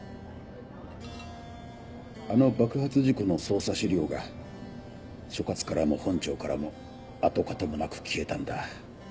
あの爆発事故の捜査資料が所轄からも本庁からも跡形もなく消えたんだ。